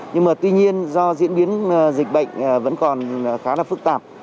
nhưng mà tuy nhiên do diễn biến dịch bệnh vẫn còn khá là phức tạp